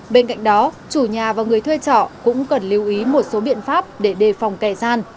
bên cạnh đó chủ nhà và người thuê trọ cũng cần lưu ý một số biện pháp để đề phòng kẻ gian